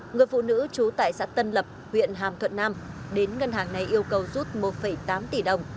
người phụ nữ trú tại xã tân lập huyện hàm thuận nam đến ngân hàng này yêu cầu rút một tám tỷ đồng